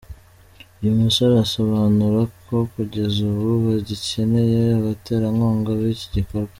Uyu musore asobanura ko kugeza ubu bagikeneye abaterankunga b’iki gikorwa.